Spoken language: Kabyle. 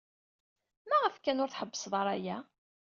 Maɣef kan ur tḥebbsed ara aya?